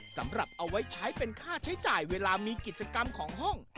สำหรับเอาไว้ใช้เป็นค่าใช้จ่ายเวลามีกิจกรรมของห้อง